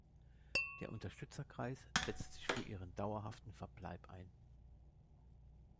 Der Unterstützerkreis setzt sich für ihren dauerhaften Verbleib ein.